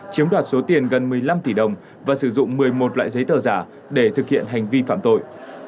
chiếm đoạt số tiền gần một mươi năm tỷ đồng và sử dụng một mươi một loại giấy tờ giả để thực hiện hành vi phạm tội